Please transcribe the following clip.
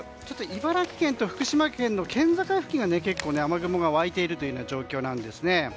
茨城県と福島県の県境付近が結構雨雲が湧いている状況ですね。